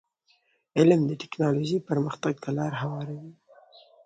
علم د ټکنالوژی پرمختګ ته لار هواروي.